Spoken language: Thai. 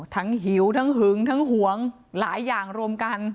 หิวทั้งหึงทั้งหวงหลายอย่างรวมกัน